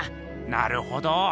なるほど。